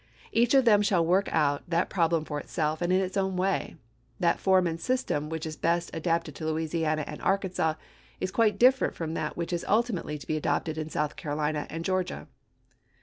Each of them shall work out that problem for itself and in its own way. That form and system which is best adapted to Louisiana and Arkansas is quite different from that which is ul timately to be adopted in South Carolina and Georgia."